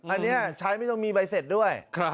อันนี้ใช้ไม่ต้องมีใบเสร็จด้วย